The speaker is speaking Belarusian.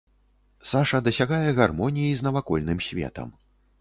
Саша дасягае гармоніі з навакольным светам.